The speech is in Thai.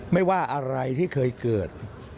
ไม่ว่าอะไรที่เคยเกิด